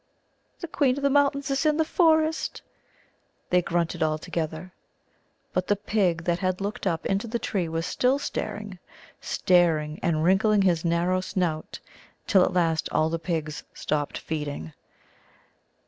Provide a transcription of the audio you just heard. "The Queen of the Mountains is in the Forest," they grunted all together. But the pig that had looked up into the tree was still staring staring and wrinkling his narrow snout, till at last all the pigs stopped feeding.